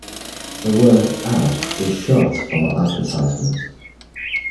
The word ad is short for advertisement